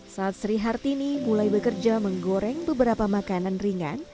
saat sri hartini mulai bekerja menggoreng beberapa makanan ringan